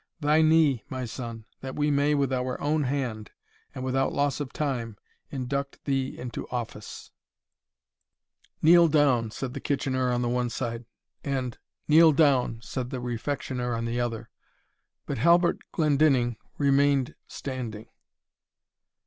Thy knee, my son that we may, with our own hand, and without loss of time, induct thee into office." "Kneel down," said the Kitchener on the one side; and "Kneel down," said the Refectioner on the other. But Halbert Glendinning remained standing.